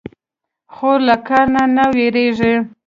خور له کار نه نه وېرېږي.